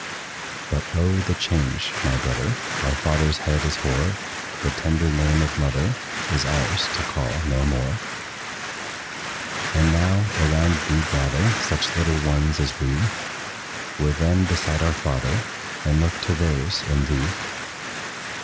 But O! the change, my brother! Our father's head is hoar; The tender name of mother Is ours to call no more. And now, around thee gather Such little ones as we Were then, beside our father, And look to theirs in thee.